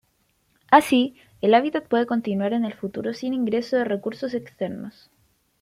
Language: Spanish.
Así, el hábitat puede continuar en el futuro sin ingreso de recursos externos.